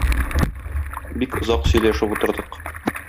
Бик озак сөйләшеп утырдык.